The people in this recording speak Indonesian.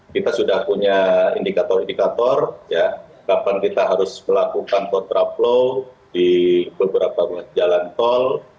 kita sudah punya indikator indikator kapan kita harus melakukan kontraflow di beberapa ruas jalan tol